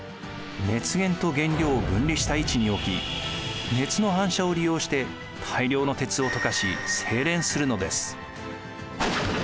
熱源と原料を分離した位置に置き熱の反射を利用して大量の鉄を溶かし精錬するのです。